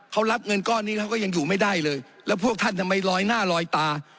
เขารับเงินก้อนนี้เขาก็ยังอยู่ไม่ได้เลยแล้วพวกท่านทำไมลอยหน้าลอยตา